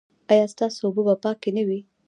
ایا ستاسو اوبه به پاکې نه وي؟